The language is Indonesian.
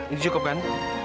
ini cukup kan